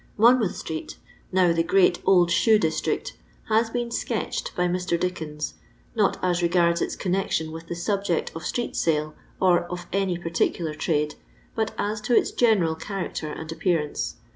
Monmouth atreet, now the great old ahoe dis trict, has been " sketched" by Mr. Dickens, not as regards its connection with the subject of street sale or of any particukr trade, but as to its general character and appearance.